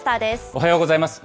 おはようございます。